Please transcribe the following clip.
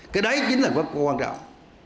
cái đấy chính là quan trọng